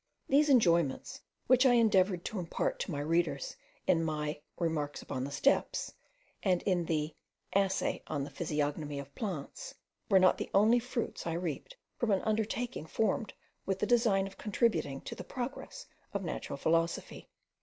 These enjoyments, which I endeavoured to impart to my readers in my 'Remarks upon the Steppes,' and in the 'Essay on the Physiognomy of Plants,' were not the only fruits I reaped from an undertaking formed with the design of contributing to the progress of natural philosophy.